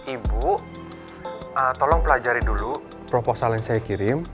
ibu tolong pelajari dulu proposal yang saya kirim